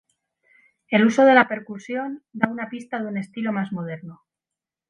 El uso de la percusión da una pista de un estilo más moderno.